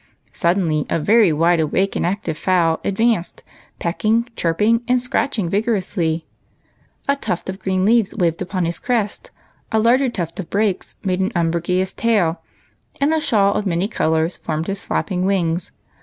Suddenly a very wide awake and active fowl advanced, pecking, chirping, and scratching vigorously. A tuft of green leaves waved upon his crest, a larger tuft of brakes made an umbrageous tail, and a shawl of many colors formed his flapping wings.